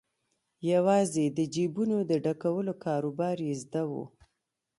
یوازې د جیبونو د ډکولو کاروبار یې زده وو.